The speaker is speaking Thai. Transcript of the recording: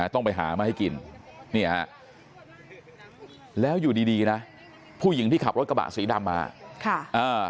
ต้องไปหามาให้กินแล้วอยู่ดีนะผู้หญิงที่ขับรถกระบะสีดำมา